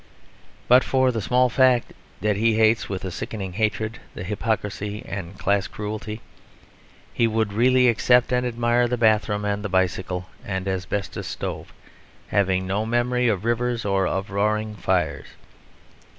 But for the small fact that he hates with a sickening hatred the hypocrisy and class cruelty, he would really accept and admire the bathroom and the bicycle and asbestos stove, having no memory of rivers or of roaring fires.